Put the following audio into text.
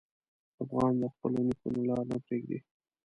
افغان د خپلو نیکونو لار نه پرېږدي.